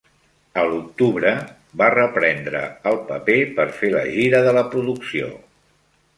A l'octubre, va reprendre el paper per fer la gira de la producció.